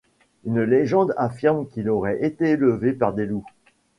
Une légende affirme qu'il aurait été élevé par des loups.